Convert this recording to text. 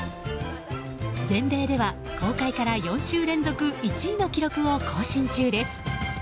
全米では４週連続１位の記録を更新中です。